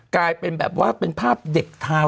กลายเป็นแบบว่าเป็นภาพเด็กทาว